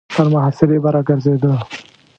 تر محاصرې به را ګرځېده.